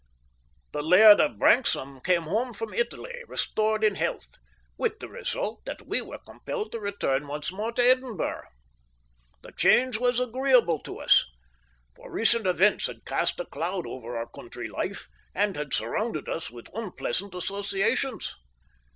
The Laird of Branksome came home from Italy restored in health, with the result that we were compelled to return once more to Edinburgh. The change was agreeable to us, for recent events had cast a cloud over our country life and had surrounded us with unpleasant associations.